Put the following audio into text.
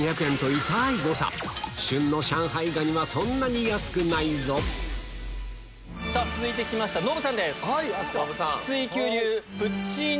旬の上海蟹はそんなに安くないぞ続いて来ましたノブさんです。